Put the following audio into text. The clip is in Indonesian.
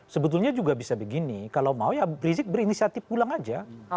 sebetulnya juga bisa begini kalau mau ya rizik berinisiatif pulang aja